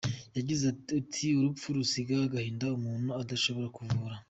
Yagize ati “Urupfu rusiga agahinda umuntu adashobora kuvura.